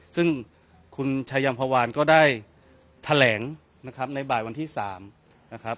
ซึ่งคุณชายัมภาวานก็ได้แถลงนะครับในบ่ายวันที่๓นะครับ